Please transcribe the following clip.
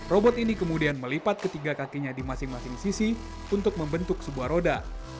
robot ini kemudian melipat ketiga kakinya di masing masing sisi untuk membentuk sebuah roda